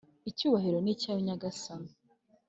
icyubahiro ni icyawe nyagasani